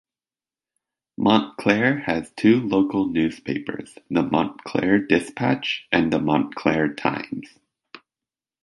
Montclair has two local newspapers, the "Montclair Dispatch" and the "Montclair Times".